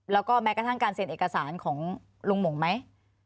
แล้วก็แม้กระทั่งการเซ็นเอกสารของลุงหมงไหม